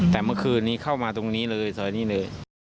แต่เมื่อคืนนี้เข้ามาตรงนี้เลยซอยนี้เลย